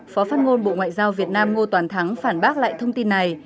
phó phát ngôn bộ ngoại giao việt nam ngô toàn thắng phản bác lại thông tin này